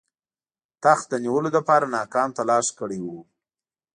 تخت د نیولو لپاره ناکام تلاښ کړی وو.